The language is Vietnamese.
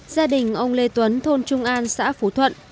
gia đình ông lê tuấn thôn trung an xã phú thuận